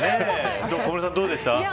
小室さんどうでした。